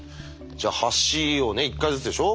じゃあ橋をね１回ずつでしょ？